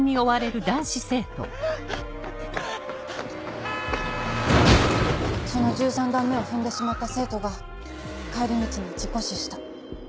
クラクションその十三段目を踏んでしまった生徒が帰り道に事故死した。